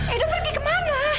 edo pergi kemana